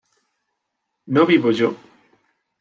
¿no vivo yo?